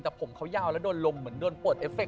แต่ผมเขายาวแล้วโดนลมเหมือนโดนปวดเอฟเค